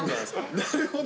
なるほど。